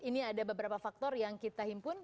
ini ada beberapa faktor yang kita himpun